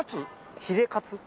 ヒレカツ？